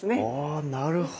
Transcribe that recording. あなるほど。